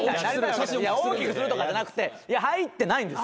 大きくするとかじゃなくて入ってないんです。